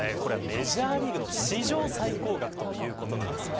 メジャーリーグの史上最高額ということです。